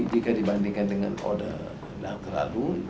jika dibandingkan dengan order yang terlalu